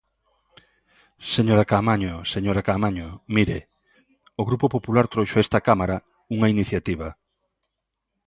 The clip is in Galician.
Señora Caamaño, señora Caamaño, mire, o Grupo Popular trouxo a esta Cámara unha iniciativa.